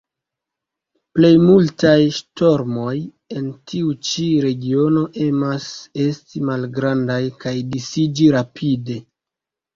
Plejmultaj ŝtormoj en tiu ĉi regiono emas esti malgrandaj kaj disiĝi rapide.